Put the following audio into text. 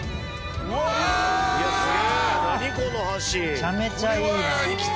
めちゃめちゃいいな。